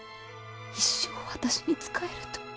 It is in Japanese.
一生私に仕えると。